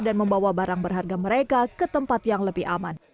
dan membawa barang berharga mereka ke tempat yang lebih aman